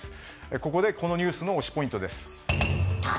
そこで、このニュースの推しポイントです。